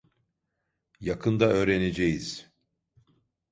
Yakında öğreneceğiz.